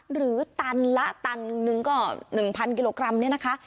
หรือตันละตันหนึ่งหนึ่งก็หนึ่งพันกิโลกรัมเนี่ยนะคะ